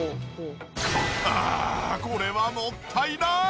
ああこれはもったいない！